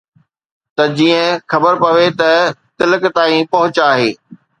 ته جيئن خبر پوي ته تلڪ تائين پهچ آهي